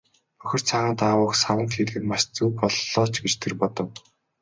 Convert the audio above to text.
Бохир цагаан даавууг саванд хийдэг нь маш зөв боллоо ч гэж тэр бодов.